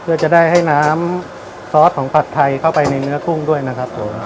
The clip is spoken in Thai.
เพื่อจะได้ให้น้ำซอสของผัดไทยเข้าไปในเนื้อกุ้งด้วยนะครับผม